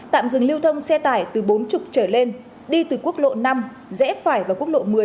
tạm dừng lưu thông xe tải từ bốn mươi trở lên đi từ quốc lộ năm rẽ phải vào quốc lộ một mươi